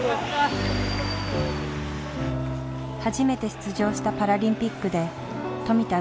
初めて出場したパラリンピックで富田